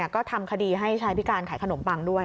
ก็ทำคดีให้ชายพิการขายขนมปังด้วย